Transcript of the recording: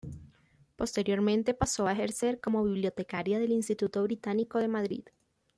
Posteriormente pasó a ejercer como bibliotecaria del Instituto Británico de Madrid.